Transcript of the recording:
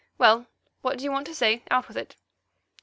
Well, what do you want to say? Out with it."